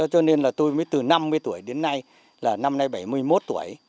cho nên là tôi mới từ năm mươi tuổi đến nay là năm nay bảy mươi một tuổi